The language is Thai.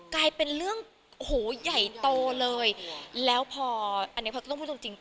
กลายเป็นเรื่องโหใหญ่โตเลยแล้วพออันนี้พอจะต้องพูดตรงจริง